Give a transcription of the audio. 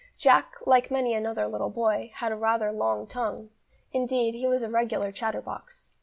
Jack, like many another little boy, had rather a long tongue, indeed, he was a regular chatterbox.